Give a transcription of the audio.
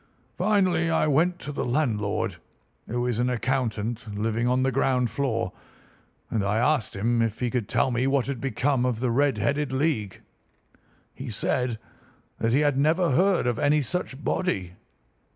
Finally, I went to the landlord, who is an accountant living on the ground floor, and I asked him if he could tell me what had become of the Red headed League. He said that he had never heard of any such body.